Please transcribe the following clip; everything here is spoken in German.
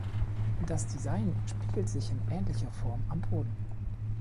Das Design spiegelt sich in ähnlicher Form am Boden.